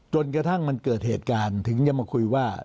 จนกระทั่งมันเกิดเหตุการณ์ถึงจะมาคุยว่า